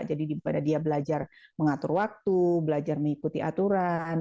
jadi daripada dia belajar mengatur waktu belajar mengikuti aturan